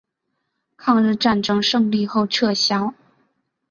抗日战争胜利后撤销。